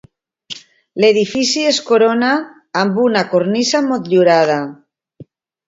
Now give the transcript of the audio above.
L'edifici es corona amb una cornisa motllurada.